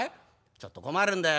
ちょっと困るんだよ。